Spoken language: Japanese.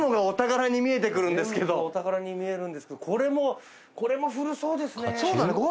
全部がお宝に見えるんですけどこれもこれも古そうですね。